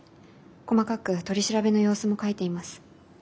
細かく取り調べの様子も書いています。